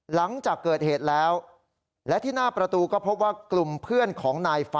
หลังจากเกิดเหตุแล้วและที่หน้าประตูก็พบว่ากลุ่มเพื่อนของนายฟ้า